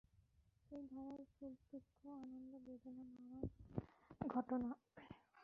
সেই ধারায় সুখ-দুঃখ আনন্দ-বেদনার নানান ঘটনা।